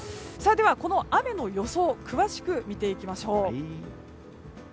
では、この雨の予想詳しく見ていきましょう。